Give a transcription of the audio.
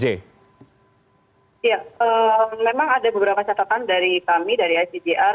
ya memang ada beberapa catatan dari kami dari icgr